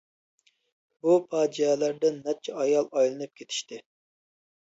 بۇ پاجىئەلەردىن نەچچە ئايال ئايلىنىپ كېتىشتى.